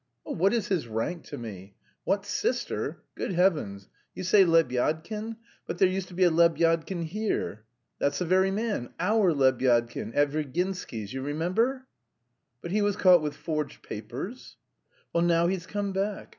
"Oh, what is his rank to me? What sister? Good heavens!... You say Lebyadkin? But there used to be a Lebyadkin here...." "That's the very man. 'Our' Lebyadkin, at Virginsky's, you remember?" "But he was caught with forged papers?" "Well, now he's come back.